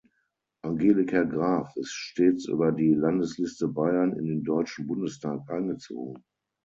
Angelika Graf ist stets über die Landesliste Bayern in den Deutschen Bundestag eingezogen.